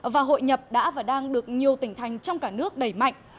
và hội nhập đã và đang được nhiều tỉnh thành trong cả nước đẩy mạnh